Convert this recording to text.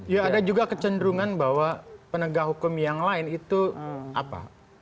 ya ada juga kecenderungan bahwa penegak hukum yang lain itu apa